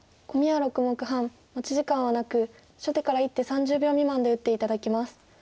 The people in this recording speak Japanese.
コミは６目半持ち時間はなく初手から１手３０秒未満で打って頂きます。